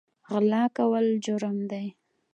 غلا کول جرم دی